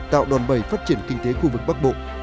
tạo đòn bẩy phát triển kinh tế khu vực bắc bộ